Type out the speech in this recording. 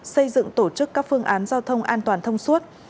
xây dựng tổ chức các phương án giao thông an toàn thông suốt